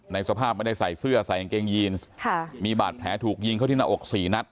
สภาพไม่ได้ใส่เสื้อใส่กางเกงยีนค่ะมีบาดแผลถูกยิงเข้าที่หน้าอกสี่นัด